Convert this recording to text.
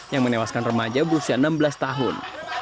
yang menewaskan remaja berusia enam belas tahun